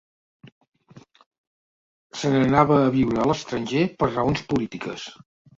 Se n'anava a viure a l'estranger per raons polítiques.